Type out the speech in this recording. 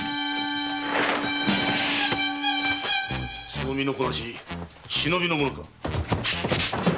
その身のこなし忍びの者だな？